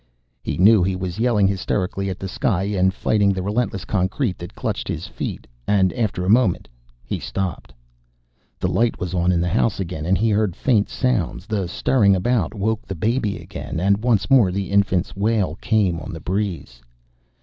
He knew he was yelling hysterically at the sky and fighting the relentless concrete that clutched his feet, and after a moment he stopped. The light was on in the house again, and he heard faint sounds. The stirring about woke the baby again, and once more the infant's wail came on the breeze.